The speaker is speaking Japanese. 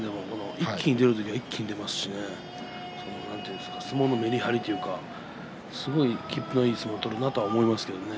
一気に出る時は一気に出ますし相撲のメリハリというかきっぷのいい相撲を取るなと思いますね。